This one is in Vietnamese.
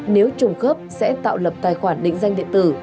nếu trùng khớp sẽ tạo lập tài khoản định danh điện tử